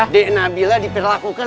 dek nabila diperlakukan